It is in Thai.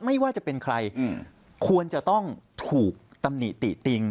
ไม่ว่าจะเป็นใครควรจะต้องถูกตำหนิติติติง